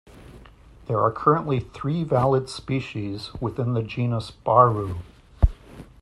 There are currently three valid species within the genus "Baru".